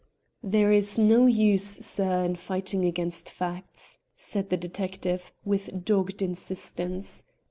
"There is no use, sir, in fighting against facts," said the detective, with dogged insistence.